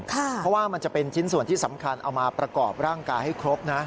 เพราะว่ามันจะเป็นชิ้นส่วนที่สำคัญเอามาประกอบร่างกายให้ครบนะ